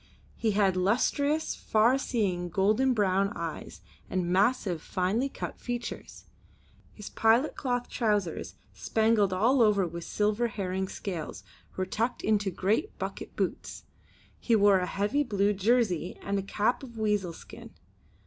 He had lustrous, far seeing golden brown eyes, and massive, finely cut features. His pilot cloth trousers spangled all over with silver herring scales, were tucked into great, bucket boots. He wore a heavy blue jersey and a cap of weazel skin.